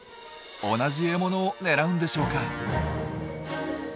同じ獲物を狙うんでしょうか？